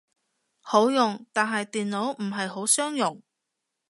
好用，但係電腦唔係好相容